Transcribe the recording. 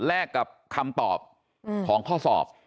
แลกกับคำตอบของข้อสอบ